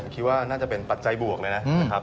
คิดว่าน่าจะเป็นปัจจัยบวกเลยนะครับ